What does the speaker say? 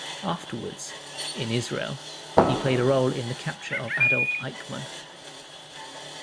Afterwards, in Israel, he played a role in the capture of Adolf Eichmann.